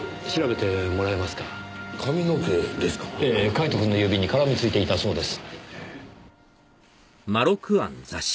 カイトくんの指に絡みついていたそうです。